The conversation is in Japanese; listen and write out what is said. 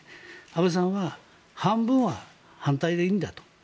安倍さんは半分は反対でいいんだと。